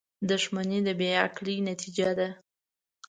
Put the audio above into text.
• دښمني د بې عقلۍ نتیجه ده.